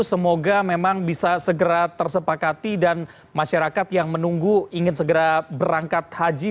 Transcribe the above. semoga memang bisa segera tersepakati dan masyarakat yang menunggu ingin segera berangkat haji